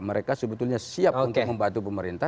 mereka sebetulnya siap untuk membantu pemerintah